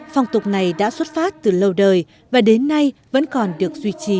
phong tục này đã xuất phát từ lâu đời và đến nay vẫn còn được duy trì